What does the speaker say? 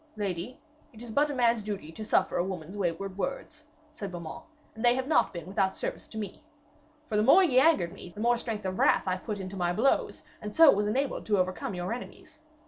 'Lady, it is but a man's duty to suffer a woman's wayward words,' said Beaumains, 'and they have not been without service to me. For the more ye angered me the more strength of wrath I put into my blows, and so was enabled to overcome your enemies.